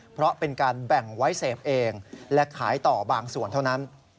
เพราะเป็นการแบ่งไว้เสพเองและขายต่อบางส่วนเท่านั้น